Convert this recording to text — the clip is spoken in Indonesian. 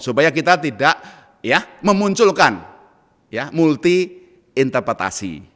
supaya kita tidak memunculkan multi interpretasi